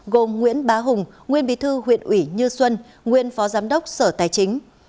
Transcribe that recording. gồm nguyễn bá hùng nguyên bí thư huyện ủy như xuân nguyên phó giám đốc sở tài chính